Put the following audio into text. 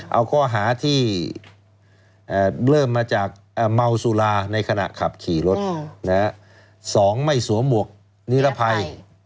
เอาข้อหาที่เริ่มมาจากเมาสุราในขณะขับขี่รถ๒ไม่สวมหมวกนิรภัย